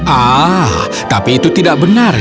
ah tapi itu tidak benar